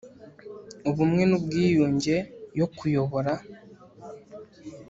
ubumwe n ubwiyunge yo kuyobora